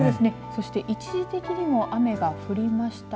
そして一時的にも雨が降りました。